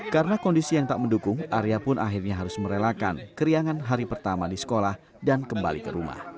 karena kondisi yang tak mendukung arya pun akhirnya harus merelakan keriangan hari pertama di sekolah dan kembali ke rumah